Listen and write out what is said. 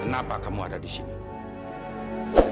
kenapa kamu ada di sini